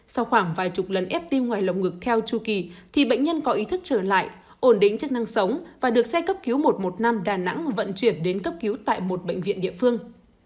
sau khoảng vài chục lần ép tim ngoài lồng ngực theo chu kỳ thì bệnh nhân có ý thức trở lại ổn định chức năng sống và được xe cấp cứu một trăm một mươi năm đà nẵng vận chuyển đến cấp cứu tại một bệnh viện địa phương